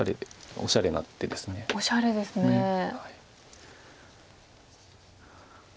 おしゃれですね。